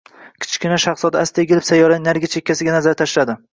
Kichkina shahzoda asta egilib, sayyoraning narigi chekkasiga nazar tashladi.